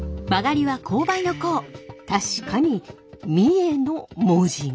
確かに「三重」の文字が！